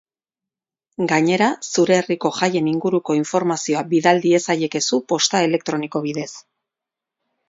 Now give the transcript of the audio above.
Gainera, zure herriko jaien inguruko informazioa bidal diezaiekezu posta elektroniko bidez.